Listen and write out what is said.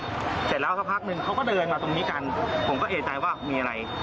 เสร็จแล้วสักพักหนึ่งเขาก็เดินมาตรงนี้กันผมก็เอกใจว่ามีอะไร